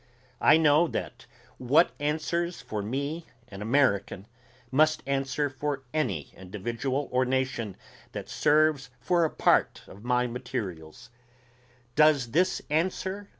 I know that what answers for me an American must answer for any individual or nation that serves for a part of my materials. Does this answer?